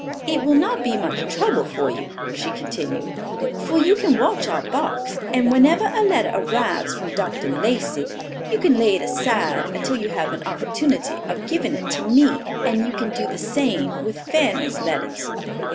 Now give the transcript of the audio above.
It will not be much trouble for you," she continued, "for you can watch our box, and whenever a letter arrives from Dr. Lacey, you can lay it aside until you have an opportunity of giving it to me, and you can do the same with Fanny's letters!"